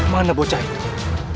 mana bocah itu